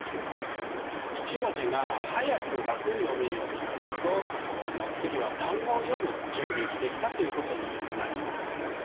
１文字が速く楽に読めるようになると次は単語を読む準備ができたということになります。